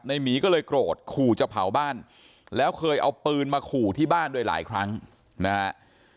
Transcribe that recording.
หมีก็เลยโกรธขู่จะเผาบ้านแล้วเคยเอาปืนมาขู่ที่บ้านด้วยหลายครั้งนะฮะ